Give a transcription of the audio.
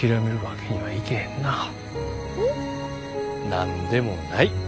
何でもない。